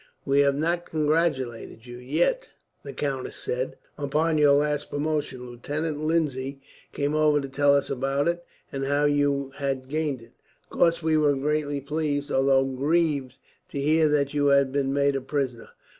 "We have not congratulated you yet," the countess said, "upon your last promotion. Lieutenant Lindsay came over to tell us about it, and how you had gained it. Of course we were greatly pleased, although grieved to hear that you had been made prisoner.